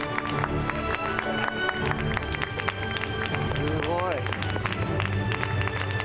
すごい。